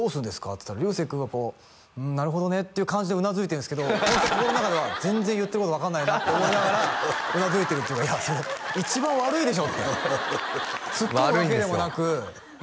って言ったら流星君は「なるほどね」って感じでうなずいてるんですけど心の中では「全然言ってること分かんないな」って思いながらうなずいてるって言うから「いやそれ一番悪いでしょ！」ってツッコむわけでもなく悪いんですよ